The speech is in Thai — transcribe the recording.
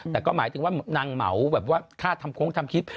แต่ก็หมายถึงว่านางเหมาแบบว่าค่าทำโค้งทำคลิป